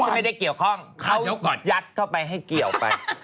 ฉันไม่ได้เกี่ยวข้องเขายัดเข้าไปให้เกี่ยวไป